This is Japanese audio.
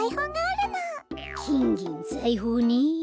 きんぎんざいほうね。